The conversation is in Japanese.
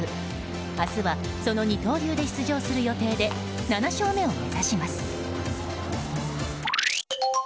明日はその二刀流で出場する予定で７勝目を目指します。